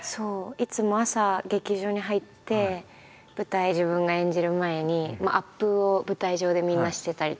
いつも朝劇場に入って舞台自分が演じる前にアップを舞台上でみんなしてたりとかする。